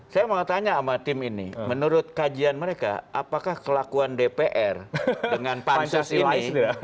saya mau tanya sama tim ini menurut kajian mereka apakah kelakuan dpr dengan pansus ini